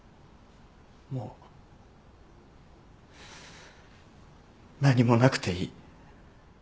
もう何もなくていい。